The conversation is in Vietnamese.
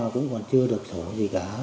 cũng còn chưa được sổ gì cả